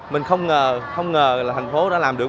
mình không ngờ không ngờ là thành phố đã làm được